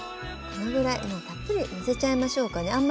このぐらいもうたっぷりのせちゃいましょうかね。